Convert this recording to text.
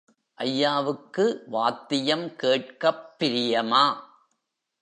ஐயாவுக்கு வாத்தியம் கேட்கப் பிரியமா?